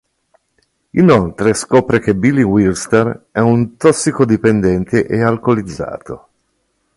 Inoltre scopre che Billy Wearslter è un tossicodipendente e alcolizzato.